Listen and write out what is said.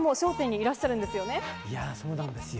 いや、そうなんですよ。